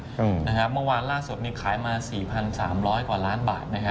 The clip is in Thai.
เรื่องเมื่อวานล่าสุดนี้ขายมา๔๓๐๐กว่าล้านบาทนะครับ